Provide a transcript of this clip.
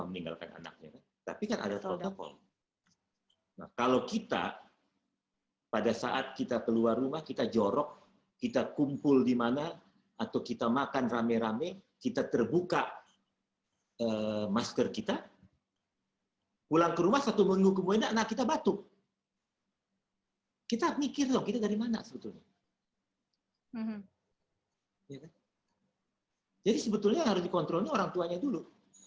untuk meninggalkan anaknya tapi kan ada protokol kalau kita pada saat kita keluar rumah kita jorok kita kumpul di mana atau kita makan rame rame kita terbuka masker kita pulang ke rumah satu minggu kemudian kita batuk kita mikir kita dari mana sebetulnya jadi sebetulnya harus dikontrol orang tuanya dulu